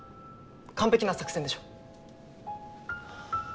完璧な作戦でしょ？